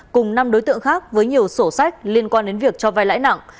cùng năm đối tượng khác với nhiều sổ sách liên quan đến việc cho vai lãi nặng